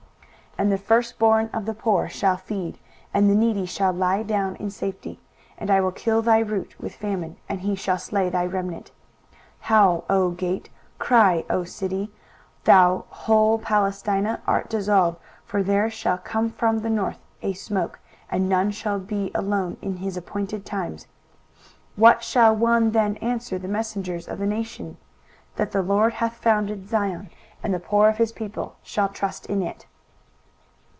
23:014:030 And the firstborn of the poor shall feed, and the needy shall lie down in safety: and I will kill thy root with famine, and he shall slay thy remnant. 23:014:031 Howl, O gate; cry, O city; thou, whole Palestina, art dissolved: for there shall come from the north a smoke, and none shall be alone in his appointed times. 23:014:032 What shall one then answer the messengers of the nation? That the LORD hath founded Zion, and the poor of his people shall trust in it.